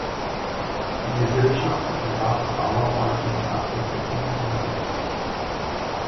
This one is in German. Die Gesellschaft vergab Bauarbeiten nach dem öffentlichen Recht.